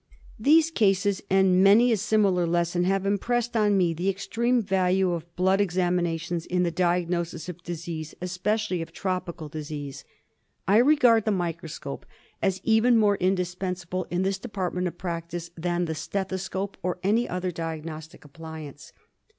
These cases and many a similar lesson have impressed on me the extreme value of blood examinations in the diagnosis of disease, especially of tropical disease. I l66 DIAGNOSIS OF MALARIA. regard the microscope as even more indispensable in this department of practice than the stethoscope or any other diagnostic appliance.